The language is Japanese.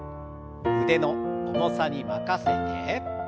腕の重さに任せて。